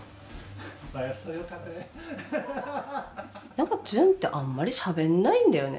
なんか旬ってあんまりしゃべんないんだよね